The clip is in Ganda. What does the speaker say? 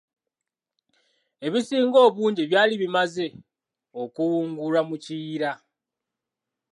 Ebisinga obungi byali bimaze okuwungulwa ku Kiyira.